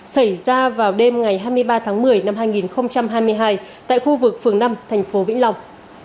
xảy ra vào đêm ngày hai mươi ba tháng một mươi năm hai nghìn hai mươi hai tại khu vực phường năm thành phố vĩnh long